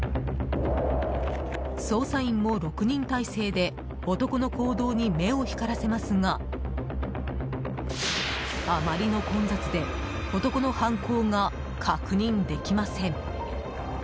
捜査員も６人態勢で男の行動に目を光らせますがあまりの混雑で男の犯行が確認できません。